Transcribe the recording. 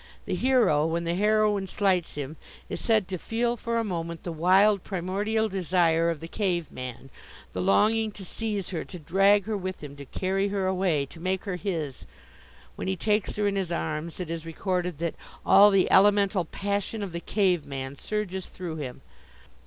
The hero, when the heroine slights him, is said to "feel for a moment the wild, primordial desire of the cave man, the longing to seize her, to drag her with him, to carry her away, to make her his." When he takes her in his arms it is recorded that "all the elemental passion of the cave man surges through him."